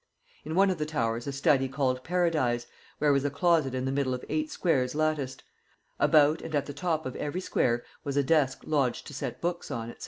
In one of the towers a study called Paradise, where was a closet in the middle of eight squares latticed; about and at the top of every square was a desk lodged to set books on, &c.